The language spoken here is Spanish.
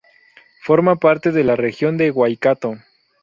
Forma parte de la región de Waikato.